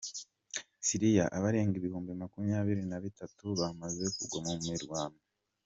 Siriya, Abarenga ibihumbi makumyabiri nabitatu bamaze kugwa mu mirwano